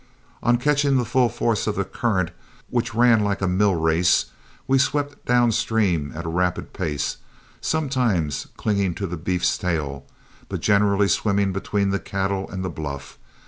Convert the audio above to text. On catching the full force of the current, which ran like a mill race, we swept downstream at a rapid pace, sometimes clinging to a beef's tail, but generally swimming between the cattle and the bluff.